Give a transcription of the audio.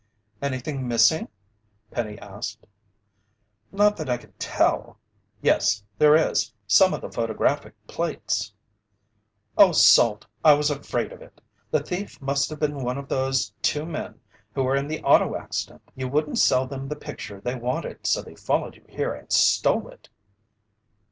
"Anything missing?" Penny asked. "Not that I can tell. Yes, there is! Some of the photographic plates!" "Oh, Salt, I was afraid of it! The thief must have been one of those two men who were in the auto accident! You wouldn't sell them the picture they wanted so they followed you here and stole it!"